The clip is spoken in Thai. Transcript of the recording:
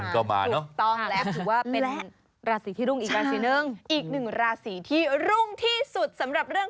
อ๋อได้ใช่